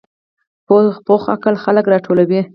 پوخ عقل خلک راټولوي